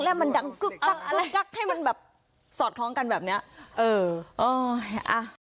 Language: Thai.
แล้วมันดังกึ๊บกั๊บกึ๊บกั๊บให้มันแบบสอดคล้องกันแบบนี้เออโอ๊ยอ่ะ